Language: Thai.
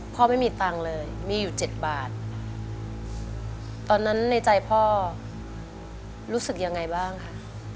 พ่อไม่มีตังค์เลยมีอยู่เจ็ดบาทตอนนั้นในใจพ่อรู้สึกยังไงบ้างค่ะ